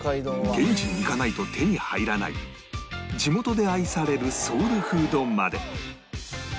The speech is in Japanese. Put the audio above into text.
現地に行かないと手に入らない地元で愛されるソウルフードまで